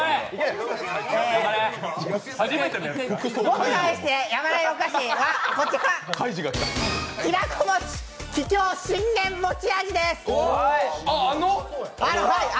僕が愛してやまないお菓子はこちら、きなこ餅桔梗信玄餅味です。